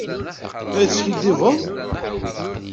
La yi-teskiddibeḍ?